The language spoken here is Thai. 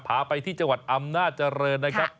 พาไปที่จังหวัดอำนาจเจริญนะครับ